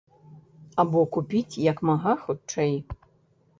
Або купіць як мага хутчэй.